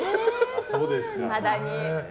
いまだに。